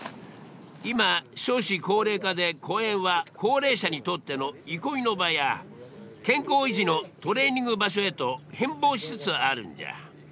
今少子高齢化で公園は高齢者にとっての憩いの場や健康維持のトレーニング場所へと変貌しつつあるんじゃ。